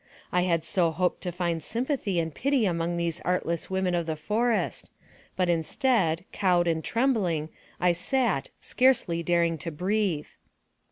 I had so hoped to find sympathy and pity among these artless women of the forest, but instead, cowed and trembling, I sat, scarcely daring to breathe.